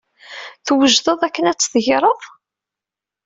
Twejdeḍ akken ad t-tegreḍ?